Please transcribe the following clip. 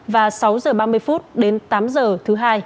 và sáu h ba mươi phút đến tám h thứ hai